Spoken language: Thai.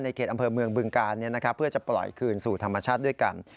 เขตอำเภอเมืองบึงกาลเพื่อจะปล่อยคืนสู่ธรรมชาติด้วยกัน